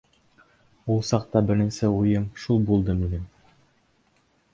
Ул саҡта беренсе уйым шул булды минең.